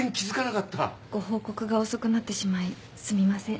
ご報告が遅くなってしまいすみません。